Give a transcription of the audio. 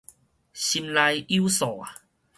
心內有數